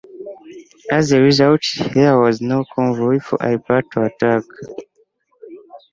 As a result, there was no convoy for Hipper to attack.